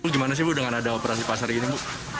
gimana sih bu dengan ada operasi pasar ini bu